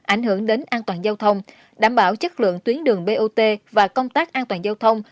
ảnh hưởng đến an toàn giao thông đảm bảo chất lượng tuyến đường bot và công tác an toàn giao thông